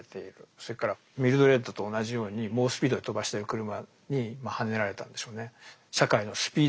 それからミルドレッドと同じように猛スピードで飛ばしてる車にはねられたんでしょうね。